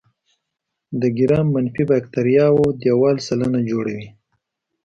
د ګرام منفي باکتریاوو دیوال سلنه جوړوي.